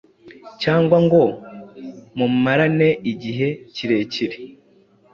cyangwa ngo mumarane igihe kirekire